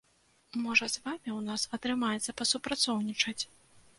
Можа, з вамі ў нас атрымаецца пасупрацоўнічаць?